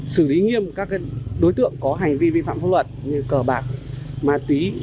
xử lý nghiêm các đối tượng có hành vi vi phạm pháp luật như cờ bạc ma túy